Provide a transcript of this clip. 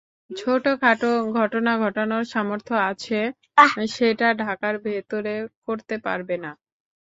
ছোটখাটো ঘটনা ঘটানোর সামর্থ্য আছে, সেটা ঢাকার ভেতরে করতে পারবে না।